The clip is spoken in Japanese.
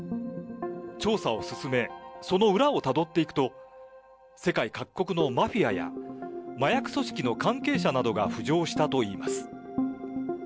調査を進め、その裏をたどっていくと、世界各国のマフィアや、麻薬組織の関係者などが浮上したといいます。